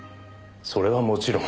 それはもちろん。